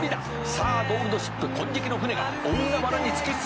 「さあゴールドシップ金色の船が大海原に突き進んでいく」